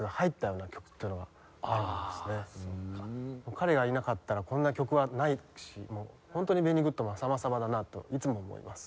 彼がいなかったらこんな曲はないしもうホントにベニー・グッドマン様々だなといつも思います。